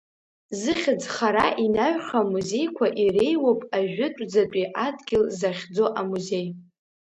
Зыхьӡ хара инаҩхьо амузеиқәа иреиуоуп Ажәытәӡатәи адгьыл захьӡу амузеи.